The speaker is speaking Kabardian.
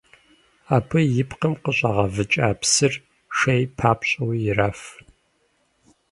Абы и пкъым къыщӏагъэвыкӏа псыр шей папщӏэуи ираф.